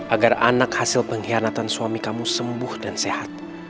agar anak hasil pengkhianatan suami kamu sembuh dan sehat